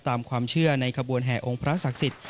ตามความเชื่อในขบวนแห่องค์พระศักดิ์สิทธิ